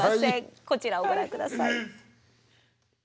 こちらをご覧下さい。